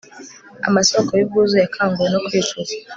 Amasoko yubwuzu yakanguwe no kwicuza